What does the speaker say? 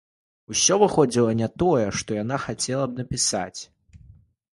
Усё выходзіла не тое, што яна хацела б напісаць.